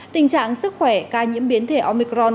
tình trạng sức khỏe ca nhiễm biến thể omicron